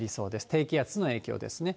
低気圧の影響ですね。